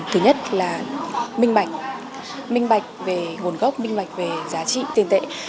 thứ nhất là minh bạch minh bạch về nguồn gốc minh bạch về giá trị tiền tệ